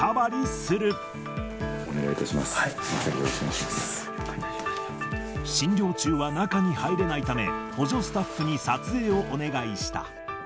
すみません、診療中は中に入れないため、補助スタッフに撮影をお願いした。